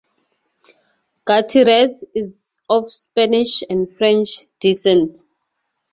Gutierrez is of Spanish and French descent.